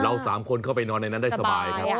๓คนเข้าไปนอนในนั้นได้สบายครับ